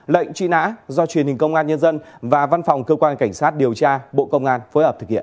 lệnh truy nã do truyền hình công an nhân dân và văn phòng cơ quan cảnh sát điều tra bộ công an phối hợp thực hiện